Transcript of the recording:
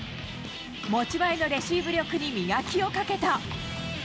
持ち前のレシーブ力に磨きをかけた。